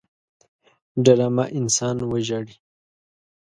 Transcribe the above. ډرامه انسان وژاړي